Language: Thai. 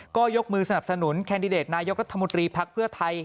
ก็ยกมือสนับสนุนแคนดิเดตนายกรัฐมนตรีภักดิ์เพื่อไทย